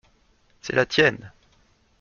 C’est la tienne.